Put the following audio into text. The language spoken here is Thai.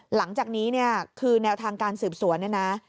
หลังจากนี้คือแนวทางการสืบสวน